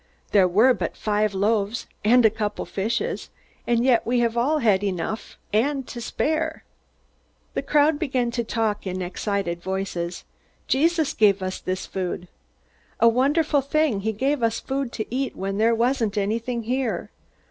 "There were but five loaves and a couple of fishes and yet we have all had enough and to spare!" The crowd began to talk in excited voices. "Jesus gave us this food." "A wonderful thing! He gave us food to eat, when there wasn't anything here!"